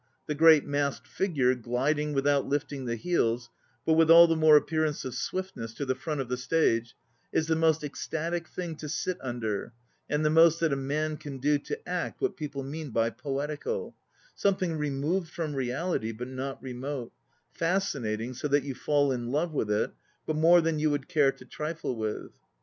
The great masked figure, glid ing without lifting the heels, but with all the more appearance of swift ness, to the front of the stage, is the most ecstatic thing to sit under, and the most that a man can do to act what people mean by 'poetical,' something removed from reality but not remote, fascinating so that you fall in love with it, but more than you would care to trifle with.